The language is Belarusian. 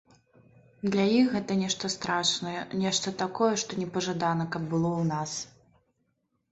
Для іх гэта нешта страшнае, нешта такое, што непажадана, каб было ў нас.